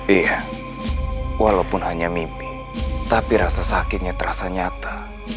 iya walaupun hanya mimpi tapi rasa sakitnya terasa nyata